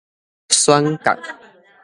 選角